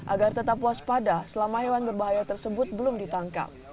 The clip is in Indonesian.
agar tetap waspada selama hewan berbahaya tersebut belum ditangkap